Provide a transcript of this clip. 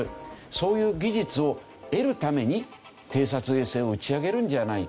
そういう技術を得るために偵察衛星を打ち上げるんじゃないかという。